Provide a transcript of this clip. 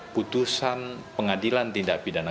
putusan pengadilan tindak pidana